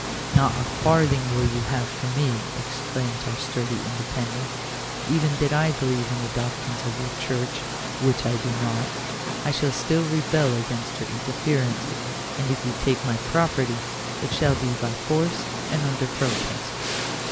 " Not a farthing will you have from me," exclaims our sturdy Independent :" even did I believe in the doctrines of your church (which I do not), I should still rebel against your interference ; and if you take my property, it shall be by force and under protest."